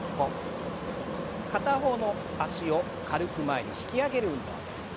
片方の脚を軽く前に引き上げる運動です。